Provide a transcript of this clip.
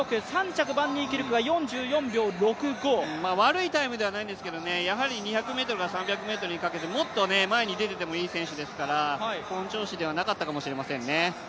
４２秒２６、悪いタイムではないんですけれども、２００ｍから３００ｍにかけてもっと前に出ててもいい選手ですから本調子ではなかったかもしれないですね。